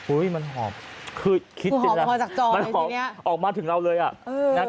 อุ๊ยมันหอบคือคิดได้นะมันหอบออกมาถึงเราเลยอ่ะคือหอบพอจากจอไหนสิเนี่ย